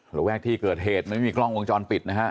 หลวงแรกที่เกิดเหตุไม่มีกล้องวงจรปิดนะฮะ